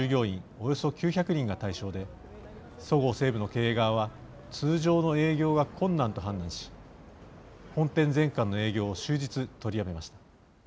およそ９００人が対象でそごう・西武の経営側は通常の営業が困難と判断し本店全館の営業を終日、取りやめました。